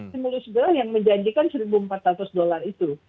stimulus bill yang menjanjikan satu empat ratus dollar itu